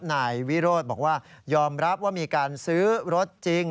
นายวิโรธบอกว่ายอมรับว่ามีการซื้อรถจริง